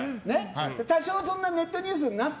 多少、ネットニュースになって。